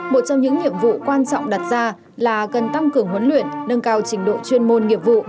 một trong những nhiệm vụ quan trọng đặt ra là cần tăng cường huấn luyện nâng cao trình độ chuyên môn nghiệp vụ